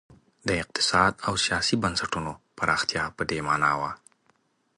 د اقتصادي او سیاسي بنسټونو پراختیا په دې معنا وه.